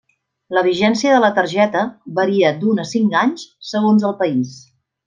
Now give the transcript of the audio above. La vigència de la targeta varia d'un a cinc anys segons el país.